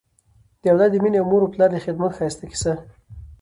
د اولاد د مینې او مور و پلار د خدمت ښایسته کیسه